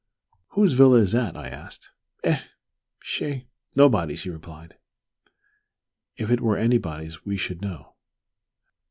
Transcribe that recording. "Whose villa is that?" asked I. "Eh! che! nobody's," he replied; "if it were anybody's we should know."